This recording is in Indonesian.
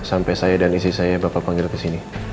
sampai saya dan istri saya bapak panggil kesini